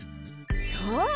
そう！